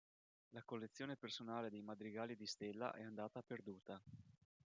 La collezione personale dei madrigali di Stella è andata perduta.